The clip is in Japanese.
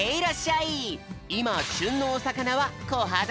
いましゅんのおさかなはこはだだよ！